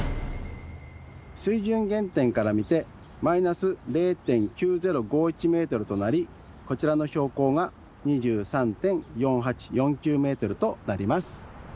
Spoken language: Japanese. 水準原点から見てマイナス０．９０５１ｍとなりこちらの標高が２３．４８４９ｍとなります。